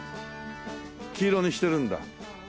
黄色にしてるんだ。